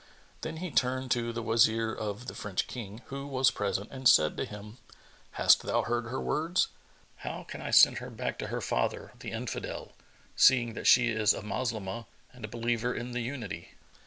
Then he turned to the Wazir of the French King, who was present, and said to him, "Hast thou heard her words? How can I her send back to her father the Infidel, seeing that she is a Moslemah and a believer in the Unity?